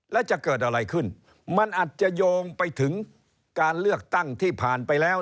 แล้วจะเกิดอะไรขึ้นมันอาจจะโยงไปถึงการเลือกตั้งที่ผ่านไปแล้ว